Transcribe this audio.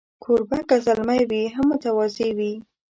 کوربه که زلمی وي، هم متواضع وي.